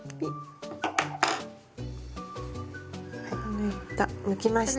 抜いた抜きました。